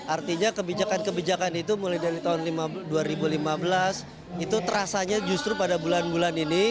artinya kebijakan kebijakan itu mulai dari tahun dua ribu lima belas itu terasanya justru pada bulan bulan ini